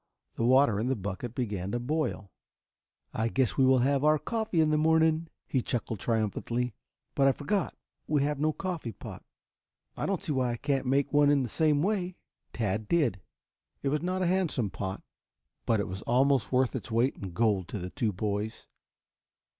The water in the bucket began to boil. "I guess we will have our coffee in the morning," he chuckled triumphantly. "But I forgot; we have no coffee pot. I don't see why I can't make one in the same way." Tad did. It was not a handsome pot, but it was almost worth its weight in gold to the two boys.